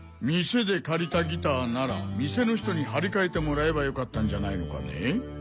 店で借りたギターなら店の人に張り替えてもらえばよかったんじゃないのかね？